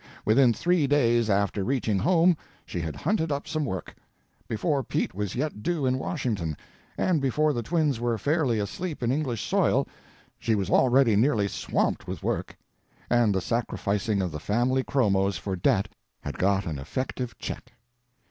Within three days after reaching home she had hunted up some work; before Pete was yet due in Washington, and before the twins were fairly asleep in English soil, she was already nearly swamped with work, and the sacrificing of the family chromos for debt had got an effective check.